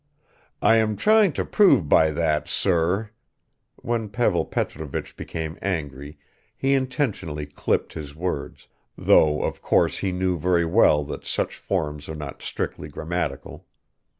"I am tryin' to prove by that, sir," (when Pavel Petrovich became angry he intentionally clipped his words, though of course he knew very well that such forms are not strictly grammatical.